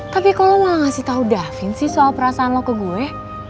tapi kalau lo malah ngasih tau davin sih soal perasaan lo ke gue